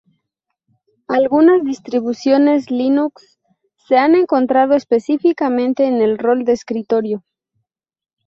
Algunas distribuciones Linux se han centrado específicamente en el rol de escritorio.